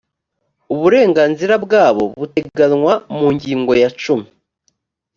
uburenganzira bwabo buteganywa mu ngingo ya cumi